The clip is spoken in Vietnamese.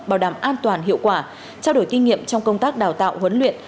bảo đảm an toàn hiệu quả trao đổi kinh nghiệm trong công tác đào tạo huấn luyện